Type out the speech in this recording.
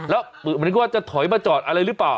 แล้วเหมือนนึกว่าจะถอยมาจอดอะไรหรือเปล่า